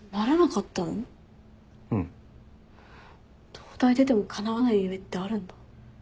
東大出てもかなわない夢ってあるんだ。